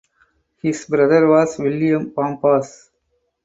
His brother was William Bompas.